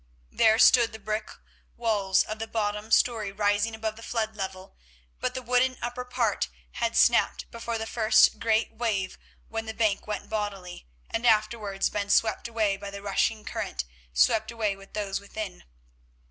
There stood the brick walls of the bottom story rising above the flood level, but the wooden upper part had snapped before the first great wave when the bank went bodily, and afterwards been swept away by the rushing current, swept away with those within.